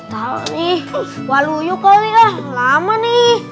tau nih walu yuk kok nih lah